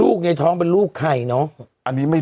ลูกเยท้องเป็นลูกใครเนาะ